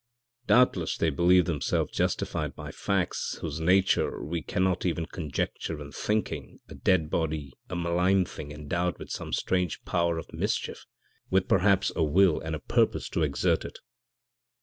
Doubtless they believed themselves justified by facts whose nature we cannot even conjecture in thinking a dead body a malign thing endowed with some strange power of mischief, with perhaps a will and a purpose to exert it.